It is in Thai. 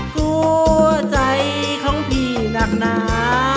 กลัวใจของพี่หนักหนา